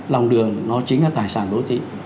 lòng đường nó chính là tài sản đô thị